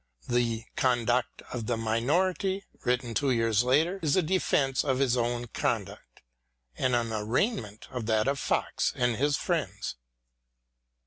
The "Conduct of the Minority," written two years later, is a defence of his own conduct, and an arraignment of that of Fox and his friends.